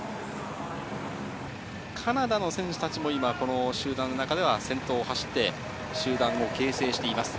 カナダの選手たちも集団の中では先頭を走って集団を形成しています。